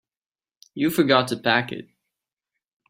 You forgot to pack it.